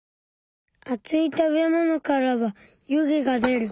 あつい食べ物からは湯気が出る。